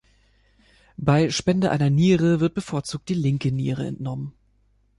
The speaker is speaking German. Bei Spende einer Niere wird bevorzugt die linke Niere entnommen.